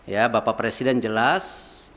ya bapak presiden jelas